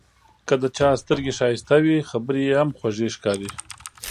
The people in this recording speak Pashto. که د چا سترګې ښایسته وي، خبرې یې هم خوږې ښکاري.